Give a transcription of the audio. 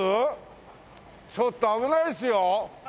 ちょっと危ないですよ。